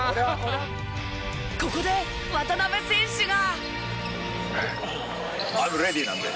ここで渡邊選手が。